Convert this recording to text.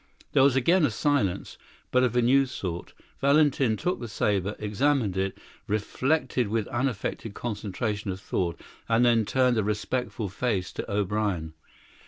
There was again a silence, but of a new sort. Valentin took the sabre, examined it, reflected with unaffected concentration of thought, and then turned a respectful face to O'Brien.